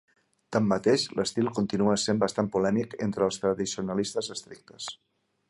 Tanmateix, l'estil continua sent bastant polèmic entre els tradicionalistes estrictes.